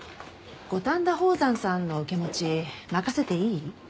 五反田宝山さんの受け持ち任せていい？